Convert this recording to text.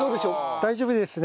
大丈夫ですね。